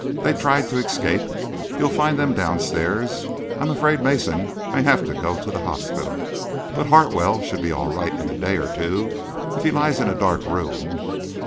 They tried to escape. You'll find them downstairs. I am afraid Mason may have to go to the hospital, but Hartwell should be all right in a day or two, if he lies in a dark room."